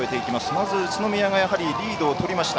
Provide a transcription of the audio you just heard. まず宇都宮がリードを取りました。